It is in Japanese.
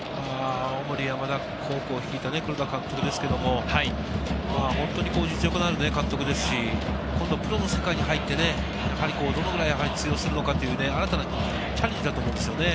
青森山田高校を率いた黒田監督ですけれども、実力のある監督ですし、今度はプロの世界に入って、やはりどのぐらい通用するのか新たなチャレンジだと思うんですよね。